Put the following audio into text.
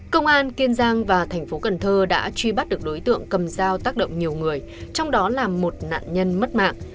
công an kiên giang và tp cnh đã truy bắt được đối tượng cầm dao tác động nhiều người trong đó là một nạn nhân mất mạng